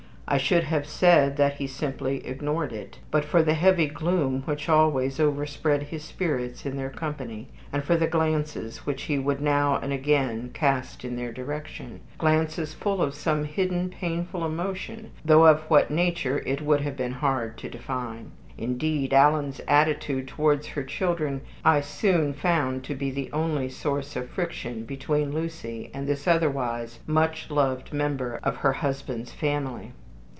I should have said that he simply ignored it, but for the heavy gloom which always overspread his spirits in their company, and for the glances which he would now and again cast in their direction glances full of some hidden painful emotion, though of what nature it would have been hard to define. Indeed, Alan's attitude towards her children I soon found to be the only source of friction between Lucy and this otherwise much loved member of her husband's family.